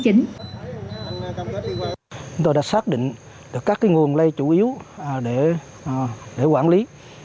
chúng tôi đã xác định được các nguồn lây chủ yếu để quản lý